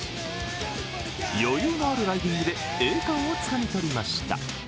余裕のあるライディングで栄冠をつかみ取りました。